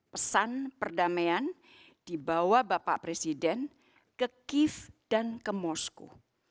pesan perdamaian dibawa bapak presiden ke kiev dan ke moskow